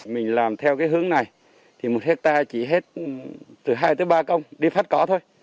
mình làm theo cái hướng này thì một hectare chỉ hết từ hai tới ba công đi phát có thôi